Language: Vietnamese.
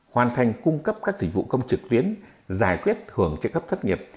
hoàn thành cung cấp các dịch vụ công trực tuyến giải quyết hưởng trợ cấp thất nghiệp